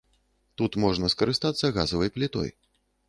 Тут можна скарыстацца газавай плітой.